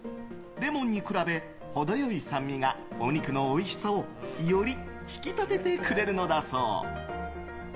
レモンに比べ、程良い酸味がお肉のおいしさをより引き立ててくれるのだそう。